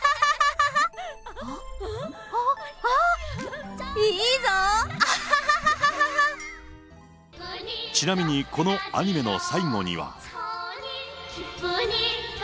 あっ、あっ、ちなみに、このアニメの最後には。